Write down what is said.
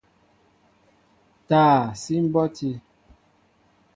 Taa síi mbɔti.